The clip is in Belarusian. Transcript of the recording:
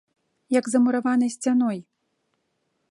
Як за мураванай сцяной!